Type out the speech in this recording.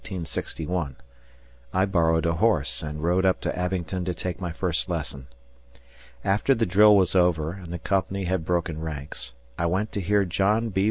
I borrowed a horse and rode up to Abingdon to take my first lesson. After the drill was over and the company had broken ranks, I went to hear John B.